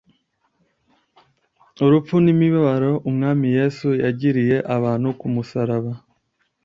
urupfu n’ imibabaro umwami yesu yagiriye abantu kumusaraba.